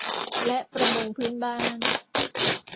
และประมงพื้นบ้าน